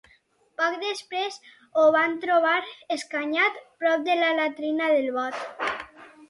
Poc després, ho van trobar escanyat prop de la latrina del bot.